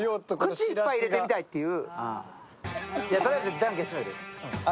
口いっぱい入れてみたいという。